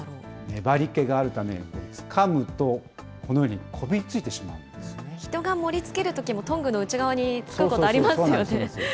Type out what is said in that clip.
粘りけがあるため、つかむと、このようにこびりついてしまうん人が盛りつけるときも、トングの内側につくことありますよね。